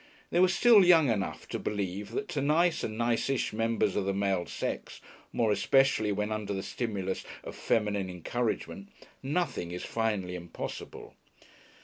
They were still young enough to believe that to nice and niceish members of the male sex more especially when under the stimulus of feminine encouragement nothing is finally impossible.